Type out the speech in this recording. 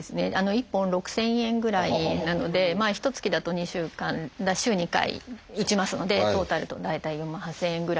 １本６，０００円ぐらいなのでひとつきだと週２回打ちますのでトータルだと大体４万８，０００円ぐらいしますね。